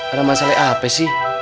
ada masalah apa sih